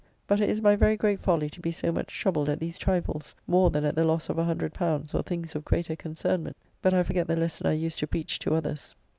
But it is my very great folly to be so much troubled at these trifles, more than at the loss of L100, or things of greater concernment; but I forget the lesson I use to preach to others.